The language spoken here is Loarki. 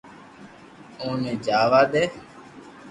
اوني جاوا دي